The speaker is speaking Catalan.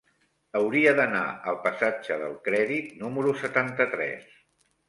Hauria d'anar al passatge del Crèdit número setanta-tres.